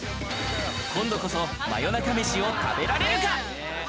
今度こそ真夜中飯を食べられるか？